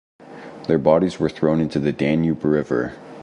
Their bodies were thrown into the Danube River.